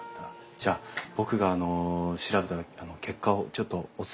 じゃあ僕が調べた結果をちょっとお伝えいたします。